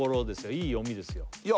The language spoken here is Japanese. いい読みですよいや